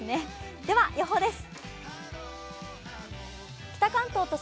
では予報です。